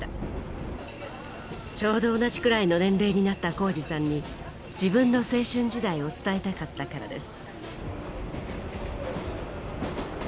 ちょうど同じくらいの年齢になった宏司さんに自分の青春時代を伝えたかったからです。